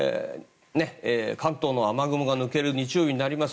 関東の雨雲が抜ける日曜日になります。